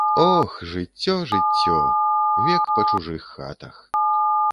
Ох, жыццё, жыццё, век па чужых хатах.